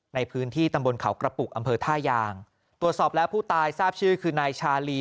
ในพื้นที่ตำบลเขากระปุกอำเภอท่ายางตรวจสอบแล้วผู้ตายทราบชื่อคือนายชาลี